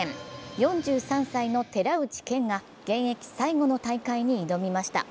４３歳の寺内健が現役最後の大会に挑みました。